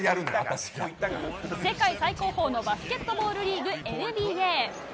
世界最高峰のバスケットボールリーグＮＢＡ。